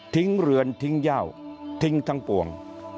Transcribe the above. เรือนทิ้งย่าวทิ้งทั้งปวง